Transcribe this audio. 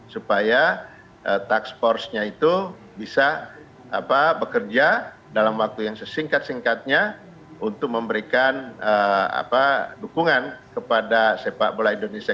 supaya taks force nya itu bisa bekerja dalam waktu yang sesingkat singkatnya untuk memberikan dukungan kepada sepak bola indonesia